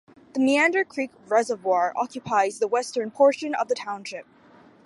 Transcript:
The Meander Creek Reservoir occupies the western portion of the township.